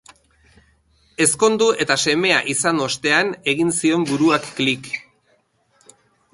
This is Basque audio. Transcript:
Ezkondu eta semea izan ostean egin zion buruak klik.